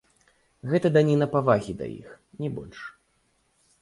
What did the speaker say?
Гэта даніна павагі да іх, не больш.